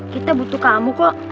kita butuh kamu kok